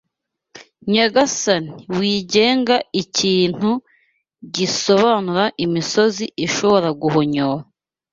Nyagasani wigenga ikintu gisobanura imisozi ishobora guhonyora